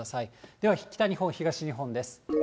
では北日本、東日本です。